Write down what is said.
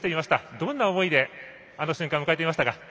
どんな思いであの瞬間を迎えていましたか？